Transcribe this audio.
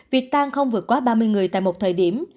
việc tăng không vượt quá ba mươi người tại một thời điểm